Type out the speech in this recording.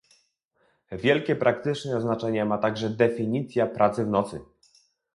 Wielkie praktyczne znaczenie ma także definicja pracy w nocy